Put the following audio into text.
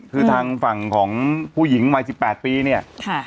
คือทางฝั่งของผู้หญิงวัย๑๘ปีเนี่ย